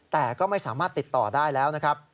แต่ก็ไม่สามารถติดต่อได้แล้วนะครับ